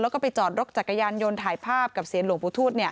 แล้วก็ไปจอดรถจักรยานยนต์ถ่ายภาพกับเสียงหลวงปู่ทูต